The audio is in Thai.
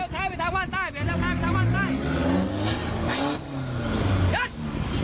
กินให้ไว้นะครับ